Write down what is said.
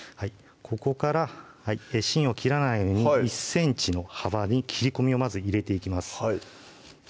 ここから芯を切らないように１ｃｍの幅に切り込みをまず入れていきます